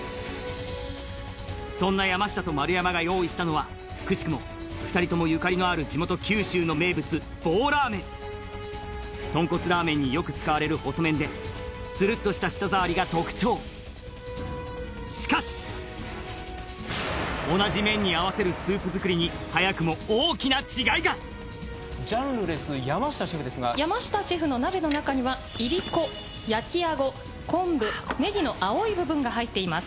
そんな山下と丸山が用意したのはくしくも２人ともゆかりのある地元九州の名物棒ラーメンとんこつラーメンによく使われる細麺でツルッとした舌触りが特徴しかし同じ麺に合わせるスープ作りに早くも大きな違いがジャンルレス山下シェフですが山下シェフの鍋の中にはいりこ焼きアゴ昆布ネギの青い部分が入っています